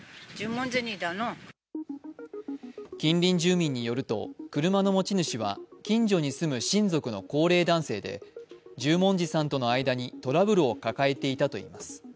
近隣住民によると、車の持ち主は近所に住む親族の高齢男性で十文字さんとの間にトラブルを抱えていたといいます。